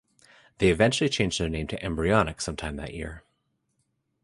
They eventually changed their name to Embryonic sometime that year.